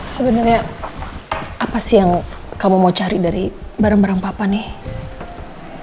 sebenarnya apa sih yang kamu mau cari dari barang barang papa nih